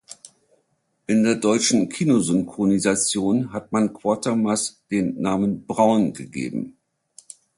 In der deutschen Kino-Synchronisation hat man Quatermass den Namen Brown gegeben.